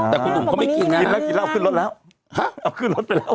อ๋อแต่คุณหนุ่มเขาไม่กินนะเอาขึ้นรถแล้วเอาขึ้นรถไปแล้ว